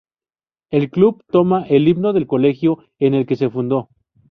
El club toma el himno del colegio en el que se fundó.